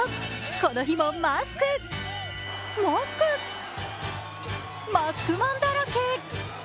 この日もマスク、マスク、マスクマンだらけ。